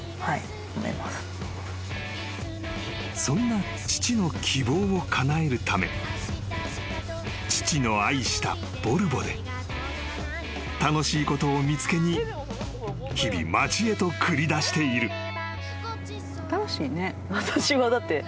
［そんな父の希望をかなえるため父の愛したボルボで楽しいことを見つけに日々町へと繰り出している］